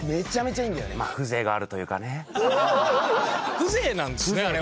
風情なんですねあれは。